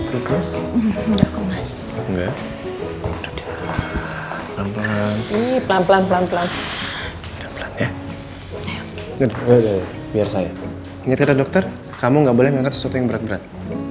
pelan pelan ya biar saya inget kata dokter kamu nggak boleh ngangkat sesuatu yang berat berat